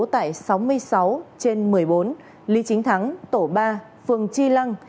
tại sáu mươi sáu trên một mươi bốn lý chính thắng tổ ba phường chi lăng